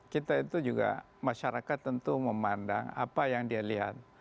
kita itu juga masyarakat tentu memandang apa yang dia lihat